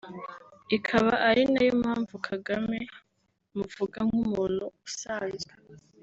ikaba ari nayo mpamvu Kagame muvuga nk’umuntu usanzwe